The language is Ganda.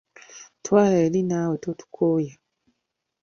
Twala eri naawe totukooya.